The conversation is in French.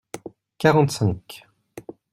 Quarante-cinq.